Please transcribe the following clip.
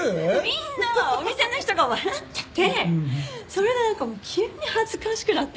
みんなお店の人が笑っててそれでなんかもう急に恥ずかしくなってきてさ。